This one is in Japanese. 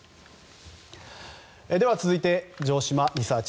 続いて、城島リサーチ！